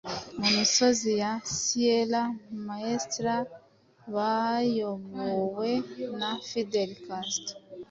mu misozi ya sierra maestra bayobowe na fidel casto